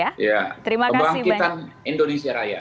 ya kebangkitan indonesia raya